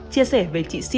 chia sẻ với chị sim